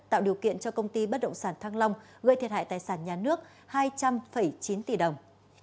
tạo điều kiện cho công ty bất động sản thăng long gây thiệt hại tài sản nhà nước hai trăm linh chín tỷ đồng